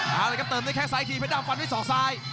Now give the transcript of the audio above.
เอาเลยครับเติมด้วยแค่ซ้ายทีเพชรดำฟันด้วยศอกซ้าย